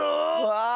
わあ！